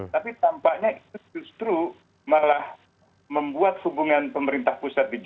tapi tampaknya itu justru malah membuat hubungan pemerintah pusat di jakarta